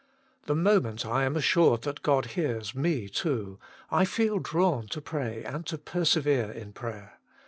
The moment I am assured that God hears me too, I feel drawn to pray and to persevere in prayer.